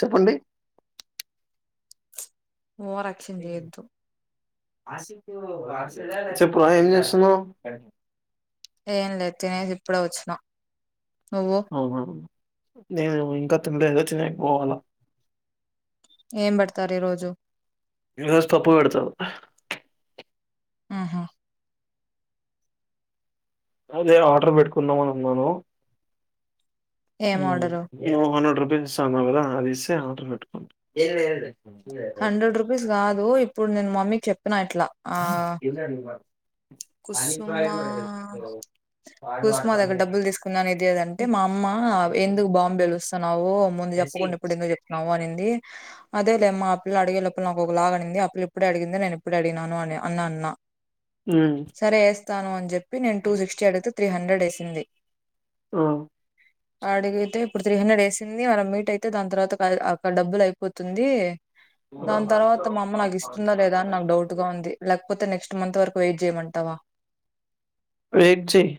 చెప్పండి ఓవర్ఆక్షన్ చేయొద్దు చెప్పు ఏం చేస్తున్నావ్ ఏం లేదు తినేసి ఇప్పుడే వచ్చినా నువ్వు అ వమ్ నేను ఇంకా టిన్లేధు టినెకి పోవాల ఏం పేడ్తారు ఈ రోజు ఈరోజు పప్పు పెడతారు ఆహా అదే ఆర్డర్ పెట్టుకుందామని ఉన్నాను ఏం హ్మ్ ఆర్డరు [unintelligible] ఏది ఇస్తాన్నానావ్ గదా అదిస్తే ఆర్డర్ పెట్టుకుంటా హండ్రెడ్ రూపీస్ గాదు ఇప్ ఇప్పుడు నేను మమ్మీకి చెప్పినా ఇట్లా ఎందండి బాబు కుసుమా కుసుమా దగ్గర డబ్బులు తీసుకున్నా ఇది అది అంటే మా అమ్మ ఎందుకు బాంబే వెలుస్తున్నావు ముందు చెప్పకుండా ఇప్పుడు ఎందుకు చెప్తున్నావో అనింద్ ది అదేలే మా ఆపిల్ల అడిగేలోపల్ నాకు ఒకలాగా అనింది ఆపిల్ల ఇప్పుడే అడిగింది నేను ఇప్పుడు అడిగిన్నాను అని అన్నా అన్న హ్మ్ స్తాను అని చెప్పి నేను టూ సిక్స్టీ అడిగితే త్రీ హండ్రెడ్ ఏసింది. ఆ అడిగితే ఇప్పుడు త్రీ హండ్రెడ్ ఏసింది. మనం మీట్ అయితే దాని తర్వాత [unintelligible] అక్కడ డబ్బులు అయిపోతుంది. దాని తర్వాత మా అమ్మ నాకు ఇస్తుందా లేదా అని నాకు డౌట్గా ఉంది లేక్ పోతే నెక్స్ట్ మంత్ వరకు వెయిట్ చేయమంటావా వెయిట్ చెయ్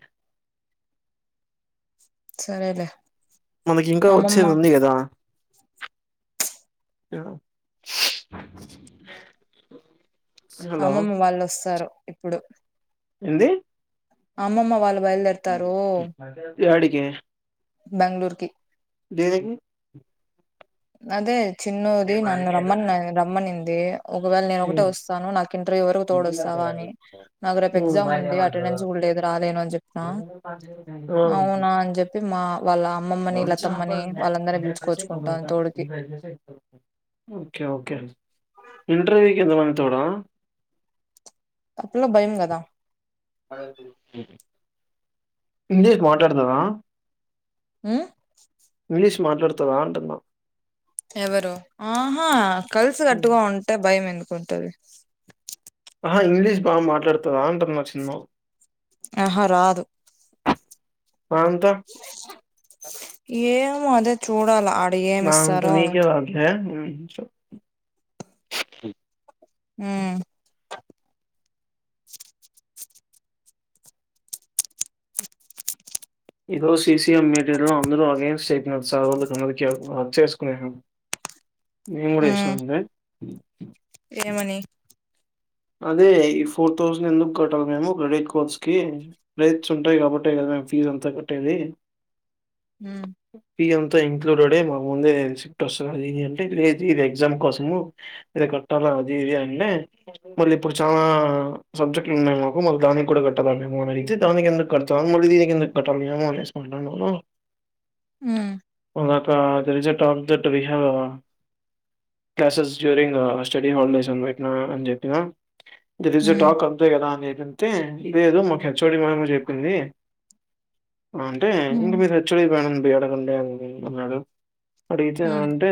సరేలే మనకి ఇంకా అమ్మమ్మ వచ్చేది ఉంది కదా అ అమ్మమ్మ వాళ్ళు వస్తారు ఇప్పుడు ఏంది అమ్మమ్మా వాళ్ యాడిక్ ఎ బెంగళూర్కి దేనికి అదే చిన్నోది నన్న రమ్మన్ రమ్మనిం ఏ ఒకవేళ నేను ఒకటే ఉమ్. వస్తాను నాకు ఇంటర్వ్యూ వరకు తోడ వస్తావా అని నాకు రేపు ఎగ్జామ్ ఉంది అటెండెన్స్ కూడా లేదు రాలేను అని చెప్న ఆ, అవునా అని చెప్పి మా వాళ్ళ అమ్మమ్మని లతమ్మని వాళ్ళందర పీల్చుకోచ్చుకుంటా ఓకే ఓకే ఇంటర్వ్యూ కి దువంతురా అప్పట్లో భయం కదా అడగదు ఇంగ్లీష్ మాట్లాడతారా మ్మ్ ఇంగ్లీష్ మాట్లాడుతవా అంటున్న ఎవరు ఆహా కలిసి హ్మ్. కట్టుగా ఉంటే భయం ఎందు కొంటారు ఆహా ఇంగ్లీష్ బాగా మాట్లాడుతవ అంటున్న చిన్ను ఆహ రాదు ఆ! అంతా ఏ మొ అదే చూడాల ఏమి నాంకు ఇస్తారో నీకే [inaudible] మ్మ్ ఈ రోజు సీసీఎం మీటీరిలో అందరూ అగెన్స్ట్ అయిపోన [inaudible] వర్క్ చేసుకునే నేను కూడా ఉమ్ ఎస్నండి అ ఏమని అదే ఈ ఫోర్ థౌసండ్ ఎందుకు కట్టాలి మేము క్రెడిట్ కోర్స్కి రేట్స్ ఉంటాయి కాబట్టే కదా మేము ఫీజు అంతా కట్టేది మ్మ్ పి ఎం తో ఇంక్లూడెడే మా ముందే రిసిప్ట్ వస్తది అది ఇది అంటే లేదు ఇది ఎగ్జామ్ కోసము ఇది కట్టాలా అది ఇది అన్నే మళ్ళీ ఇప్పుడు చాలా సబ్జెక్ట్లు ఉన్నాయి మాకు మళ్ళీ దానికి కూడా కట్టాలేమో అనేది దానికి ఎందుకు కడతం మళ్ళీ దీనికి ఎందుకు కట్టాలి మేమో అనేసి మాట్లాడనాము మ్మ్ నాతో అది reject object we have classes during study holidays అని పెట్నా అని చెప్ టినా there is a um talk అంతే కదా అని అంతే లేదు మా హెచ్ ఓ డి మేడం చెప్పింది అంటే ఉమ్ ఇంకా మీరు హెచ్ ఓ డి [unintelligible] పీడా గా ఉందే అని అంటున్నారు అడిగితే అంటే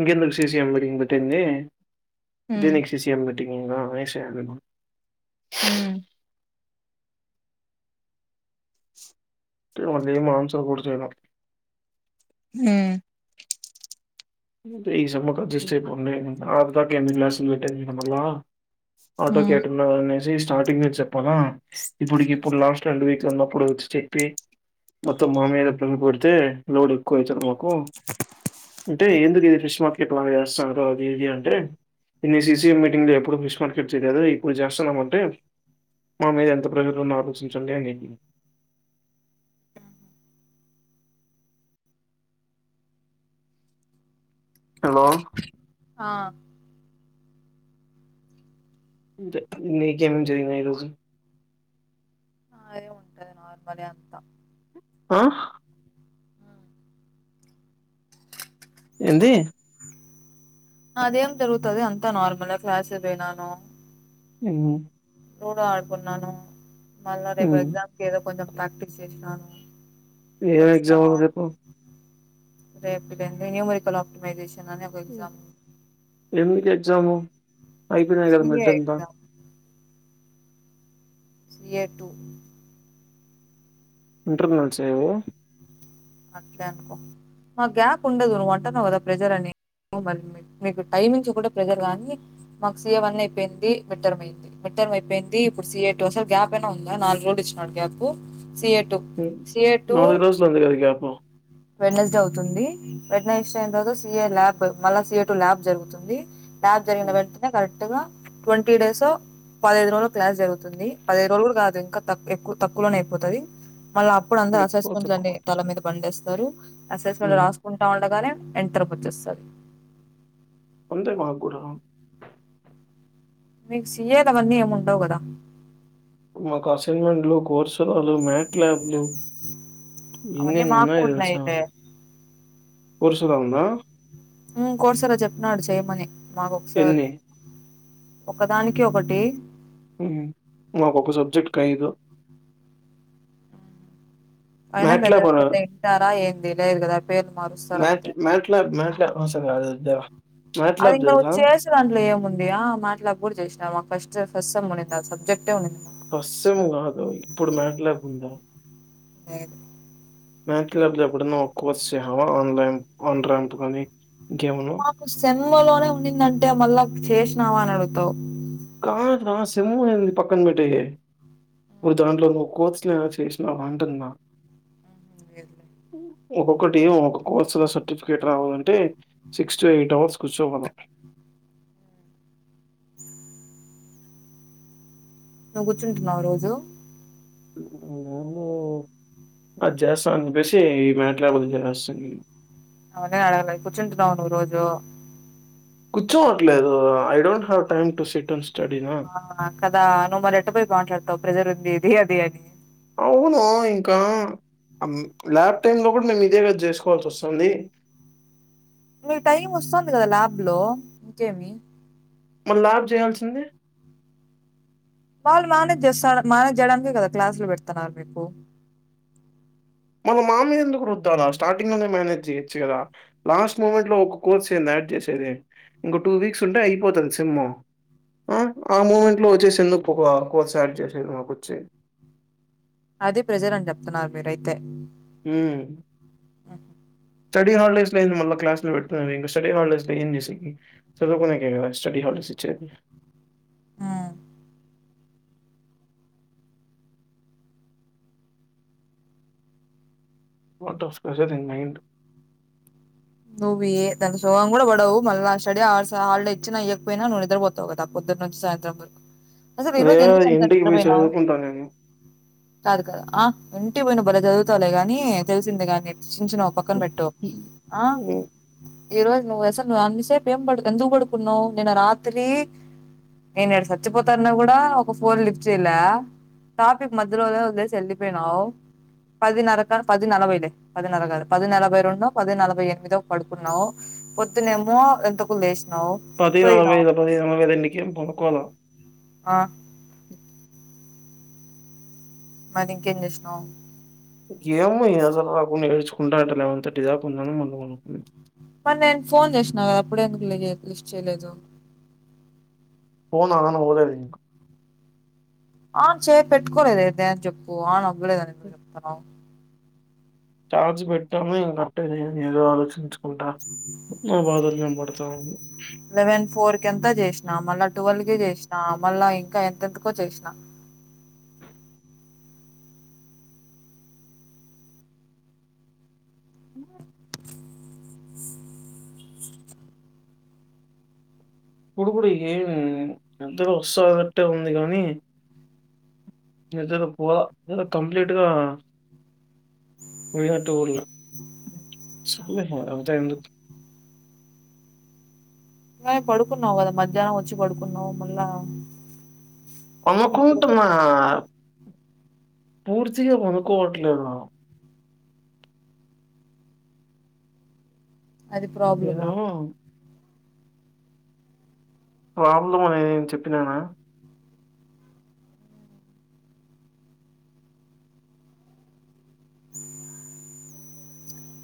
ఇంకెందుకు సి సి ఎం మీటింగ్ పెట్టింది హ్మ్ [unintelligible] వసేదు హ్మ్ [unintelligible] మ్ ఈ సమ్ కి అడ్జస్ట్ అయిపోండి లాస్ట్ తాకా ఎన్ని క్లాస్ వెల్ ఆటో ఉమ్ కేటగున్నవ్ అనేసి చాటింగే చెప్పనా ఇప్పుడికిప్పుడు లాస్ట్ ఎండ్ వీక్ ఇక్కడ ఉన్నప్పుడు వచ్చి చెప్పి మొత్తం మా మీద పిన్ పెడితే నోర్ ఎక్కువ అయితారు మాకు కో ఏ ఎందుకు ఈడెసిష ట్వాకి టూ హండ్రెడ్ చేస్తాన్నారు ఆది ఇది అంటే ఏ సి సి మీటింగ్ లో ఎప్పుడూ విశ్వంకి ఇచ్చేద్ లేదు, ఇప్పుడు జెస్తాన్నాం అంటే మన మీద ఎంత ప్రెస్సర్ ఉందో ఆలోచించండి అని జెప్పింది. హలో ఆ ఇంతే నీకేం జేయను ఈ రోజు అదే ఉంటది నార్మలీ అంతా ఆహ్ ఏంది అదేం జరుగుతాది అంతా నార్మలే క్లాస్క్ పోయ్న్నాను హ్మ్ లూడో ఆడుకున్నాను మళ్ళా రేప్ ఉమ్. ఎక్సమ్స్ కి ఎదో కొంచెం ప్రాక్టీస్ చేస్నాను ఎం ఎగ్జామ్ రేపు రేపటికి అదే న్యూమరిల్ ఆప్టిమైజేషన్ అని ఒక ఎగ్జామ్ ఎందుకు ఎగ్జాము అయిపోయినాయ్ కదా సిఏ మజంతా ఎగ్జామ్ ఎ టూ ఇంటర్నల్స్ ఏవో అట్లే అనుకో, మాకు గ్యాప్ ఉండదు, నువ్వు అంటాన్నావు కదా ప్రెజర్ అని, మ మీకు టైమింగ్స్ కూడా ప్రెజర్ కాగానీ, మాకు సఏ వన్ అయిపోయింది మిడ్ టర్మ్ అయింది, మిడ్ టర్మ్ అయిపోయింది ఇప్పుడు సఏ టూ అసలు గ్యాప్ అయినా ఉందా నాలుగు రోజులు ఇచ్చినాడు గ్యాప్ సిఏ టూ నాలుగు రోజులు ఉంది కద గ్యాప్ వెడ్నెస్ డే అవుతుంది, వెడ్నెస్ డే అయిన తర్వాత సిఏ ల్యాబ్, మళ్ళ సిఏ టు ల్యాబ్ జరుగుతుంది. క్లాస్ జరిగిన ఉమ్. వెంటనే కరెంట్ ముందుగా ట్వంటీ డేస్ పదహైదు రోజులు క్లాస్ జరుగుతుంది పదహైదు రోజులు కూడా కాదు ఇంకా ఎక్కువ తక్కువలోనే అయిపోతది మళ్ళ అప్పుడు అందరు ఎక్కువ తక్కువ అసస్ంట్లని తల మీద పండేస్తారు స్తారు అసెస్మెంట్ ఉమ్. రాసుకుంటా ఉండగానే ఎంటర్కి వచ్చేస్తరు అంతే మాక్కూడా మీకు సి ఎ అదేం అన్ని ఉండవ్ కదా మాకు అసైన్మెంట్లు కోర్సురాలు మ్యాట్ ల్యాబ్లు అవ్వన్నీ మాకు ఉన్నాయి లే కోర్సు లా ఉందా ఉమ్ కో సార్ చెప్పినాడు చెయ్యమని మాకు ఒకసారి ఎన్ని ఒకదానికి ఒకటి హు మాకొక సబ్జెక్ట్ కు ఐదు అయినా మ్యాట్ పెద్ద పెద్ద ఇంటరా ఏమి లేదు కదా [inaudible] మట్ మట్లా మట్లా ఆ సరే అది వో లెవా అది ఇంకా చేసే దాంట్లో ఏముంది ఆ మ్యాట్ ల్యాబ్ కూడా చేసిన మా ఫస్ట్ స్సం ఫస్ట్ సేమ్ నాకు ఆ సబ్జెక్టే ఉంది ఫస్ట్ సేమ్ కాదు ఇప్పుడు మాట్ ల్యాబ్ ఉందా లేదు మ్యాట్ లాబ్ లో ఎప్పుడన్న ఒక కోర్సు చేసినవా ఆన్లైన్ [unintelligible] కానీ మాకు సెమ్ మ్మలోనే ఉండిందంటే మళ్ళా చేసినావా అని అడుగుతావు కా క [unintelligible] [inaudible] మ్ పక్కన పెట్టీయ్ ఇప్పుడుదంట్లో కొ కోర్సులు ఎం అయినా చేసినావా అంటున్నా లేదులే. ఒక్కొక్కటి ఏం ఒక కోర్సులో సర్టిఫికేట్ రావాలంటే సిక్స్ టు ఎయిట్ అవర్స్ కూర్చోవాల నువ్వు కూర్చుంటున్నావ రోజు నేను అది చేస్తా అప్పేసి ఈ మ్యాట్ ల్యాబ్ వదిలేసేస్తా నిను అవును ఆడాలే కూర్చుంటున్నావా నువ్వు రోజూ కూర్చోవట్లేదు I don't have time to sit on అవునా కదా నువ్ మరి ఎట్ట పోయి మాట్లాడి తావ్ ప్రజర్ ఉంది ఇది అది అని అవును ఇంకా ల్యాబ్ టైమ్ లో కూడా మేము ఇదే కదా చేసుకోవాల్సి వస్తుంది మీకు టైం వస్థంది కదా ల్యాబ్ లో ఇంకేమి మరి ల్యాబ్ చేయాల్సింది వాళ్ళు మేనేజ్ చేస్తా మేనేజ్ చేయడానికే కదా క్లాసులు పెడుతున్నారు మీకు వాళ్ళ మామీద ఎందుకు రుద్దాలా స్టార్టింగ్ లోనే మేనేజ్ చేయొచ్చు కదా లాస్ట్ మూమెంట్ లో ఒక కోర్స్ ఏందీ యాడ్ చేసేది ఇంకో టూ వీక్స్ ఉంటే అయిపోతది సిమ్ హు ఆ మూమెంట్ లో వచ్చేసి ఎందుకు ఒక కోర్స్ యాడ్ చేసేది మాకు వచ్చి అదే ప్రెసర్ అని చెప్తున్నారు మీరయితే ఉమ్ ఆహ్ స్టడీ హాలిడేస్ లో ఏంది మళ్ళా క్లాస్ లో పెడుతరు ఇంకా స్టడీ హాలిడేస్ లో ఏం చేసికి చదువుకునేకే కదా స్టడీ హాలిడేస్ ఇచ్చేది. ఉమ్. ఫోటో కాసేది మైండ్ నువ్వే దాంతో సోగం కూడా పడవు మళ్ళా స్టడీ అవర్స్ హాలిడేస్ ఇచ్చినా ఇవకపోయినా నువ్వు నిద్రపోతవు కదా పొద్దురు నుంచి సాయంత్రం వరకు. అసలు ఈ రోజు ఏదో ఎందుకు అంత ఇంటికి పోయి నిద్రపోయినవ్ చదువుకుంటా నేను. కాదు కాదు ఆహ్. ఇంటికి పోయి నువ్వు బాలే చదువుతవులే గాని తెలిసింది గాని. సించిన ఓ పక్కన పెట్టు. ఆ ఉమ్ ఈ రోజు నువ్వు అసలు నువ్వు అన్నిసేపు ఏం పడు ఎందుకు పడుకున్నావు. నేను రాత్రి నేను చచ్చిపోతాన్న కూడా ఒక ఫోన్ లిఫ్ట్ చేయలే. ట్రాఫిక్ మధ్యలోవదిలేసి వెళ్ళీపోయినావు. పదిన్నర, పది నలభైలే, పదిన్నర కాదు. పది నలభై రెండో, పది నలభై ఎనిమిదో పడుకున్నావు. పొద్దునేమో ఎంతకు లేస్ పది నలభై దు పదిహైను వైదు ఎంటికి పనుకోలే ఆహ్ మరి ఇంకేం చేసినావు. ఏమో ఏదోలాగా ఉండే ఏర్చుకుంటా అంట లెవెన్ థర్టీ దాకా ఉన్నాను మళ్ళా పడుకున్నాను. మరి నేను ఫోన్ చేసినా కదా అప్పుడు ఎందుకు లిస్ట్ చేయలేదు. మా నాన్న పోలేదు ఇంకా. ఆహ్ చేతు పెట్కోలేదే ఇదే చేప్పు ఆనం. నేను ఎందుకు చెప్తాను. చార్జ్ పెట్టామా పెట్టేద ఏదో ఆలోచించ్. ఉంటా నా బాధలు ఏం. మడతాం లెవెన్ ఫోర్ కంత జేష్. ఆహ్ మళ్ళా నువ్వు అందుకే చేసినం. మళ్ళా ఇంకా ఎంతెంతకో చేసినా. నో ఇప్పుడు ఏం నిద్ర వస్తానట్టుగానే ఉంది కానీ ఏదైనా పో కంప్లీట్గా ఎటు పోలే చాల్లే పో అంతా ఎందుకు ఇగ పడుకున్నావు కదా మధ్యాహ్నం వచ్చి పడుకున్నావు మళ్ళా. ఇప్పుడు అమ్మకుటు మా పూర్తిగా పడుకోవట్లేదు. అది ప్రబ్లమా. ఏదో ప్రాబ్లం అనీ నేను చెప్పినానా.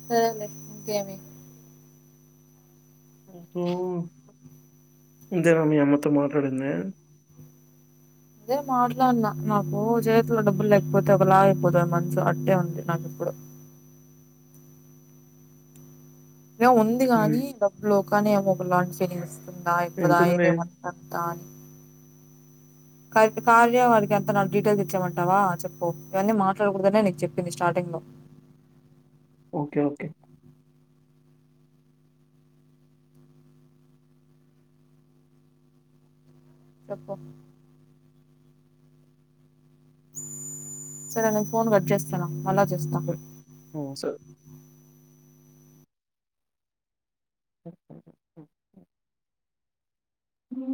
సరేలే ఇంకేమి. ఇదేనా మీ అమ్మతో మాట్లాడింది. అదే మాట్లాడిన నాకు చేతులో డబ్బులు లేకపోతే ఒకలాగయిపోతది మనసు అట్టే ఉంది నాకు ఇప్పుడు ఉంది కాని హ్మ్. డబ్బు లోప్ కానీ ఏమో ఒకలాంటి శని మిస్. ందా ఎంతుంది? ఇప్పుదాయితే వతాని క కార్య వారికి ఎంత నా డీటెయిల్స్ ఇచ్చేయ్ మంటావా చెప్పు ఇవన్నీ మాట్లాడకూడదనే నీకు చెప్పింది స్టార్టింగ్ లో ఓకే ఓకే చెప్పు సరే నేను ఫోన్ కట్ చేస్తాను మల్లా చేస్తా హ్మ్ స అ